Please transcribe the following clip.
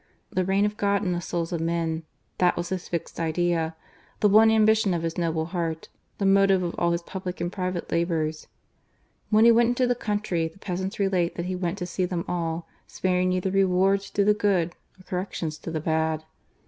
The reign of God in the souls of men — that was his fixed idea, the one ambition of his noble heart, the motive of all his public and private labours. When he went into the country, the peasants relate that he went to see them all, sparing neither rewards to the good nor corrections to the bad.